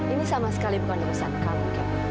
ini sama sekali bukan urusan kami